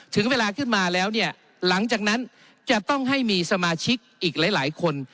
ถึงเวลาขึ้นมาแล้วเนี่ยหลังจากนั้นจะต้องให้มีสมาชิกอีกหลายคน